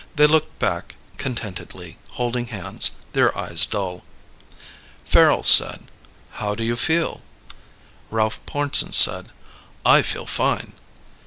They looked back contentedly, holding hands, their eyes dull. Farrel said, "How do you feel?" Ralph Pornsen said, "I feel fine."